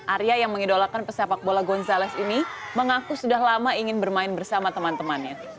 arya yang mengidolakan pesepak bola gonzalez ini mengaku sudah lama ingin bermain bersama teman temannya